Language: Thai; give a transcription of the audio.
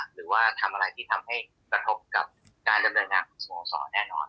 หรือว่าทำอะไรที่ทำให้ประทบกับการทำแน่นอน